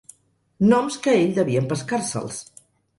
Noms que ell devia empescar-se'ls